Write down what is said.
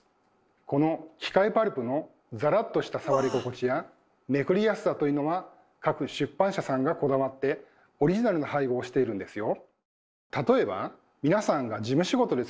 この機械パルプのざらっとした触り心地やめくりやすさというのは各出版社さんがこだわってオリジナルな配合をしているんですよ。